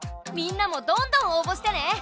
みんなもどんどん応ぼしてね。